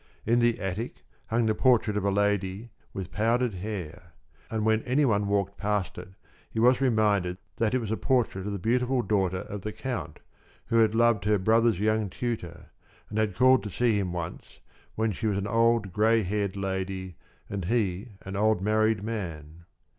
In the attic hung the portrait of a lady with powdered hair, and when any one walked past it he was reminded that it was a portrait of the beautiful daughter of the Count, who had loved her brother's young tutor, and had called to see him once when she was an old gray haired lady and he an old married man.